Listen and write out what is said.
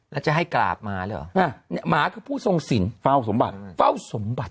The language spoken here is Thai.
แล้วจะให้กราบหมาเหรอหมาคือผู้ทรงสินเฝ้าสมบัติเฝ้าสมบัติ